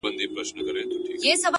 o د بشريت له روحه وباسه ته ـ